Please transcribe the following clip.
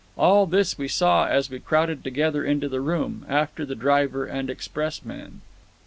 All this we saw as we crowded together into the room, after the driver and expressman.